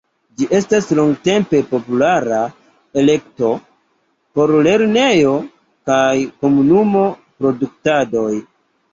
Ĝi estas longtempe populara elekto por lernejo- kaj komunumo-produktadoj.